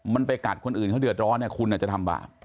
มันไปกัดคนอื่นเขาเดือดร้อนคุณอาจจะทำบาป